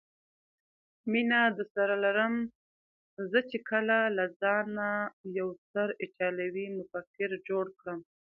مینه درسره لرم، زه چې کله له ځانه یو ستر ایټالوي مفکر جوړ کړم.